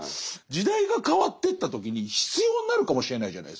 時代が変わってった時に必要になるかもしれないじゃないですか。